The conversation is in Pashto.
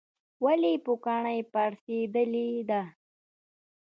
ولې پوکڼۍ پړسیدلې ده؟